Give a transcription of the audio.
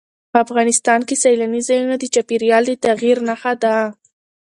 افغانستان کې سیلانی ځایونه د چاپېریال د تغیر نښه ده.